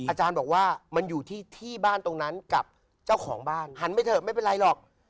อาจารย์บอกว่ามันอยู่ที่บ้านตรงนั้นกับเจ้าของบ้านหันไปเถอะไม่เป็นไรหรอก